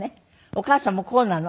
お母さんも甲なの？